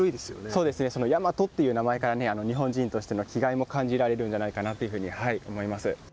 そうですね、そのヤマトっていう名前からね、日本人としての気概も感じられるんじゃないかなというふうに思います。